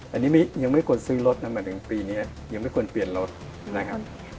อันนี้ยังไม่ควรซื้อรถนะหมายถึงปีนี้ยังไม่ควรเปลี่ยนรถนะครับ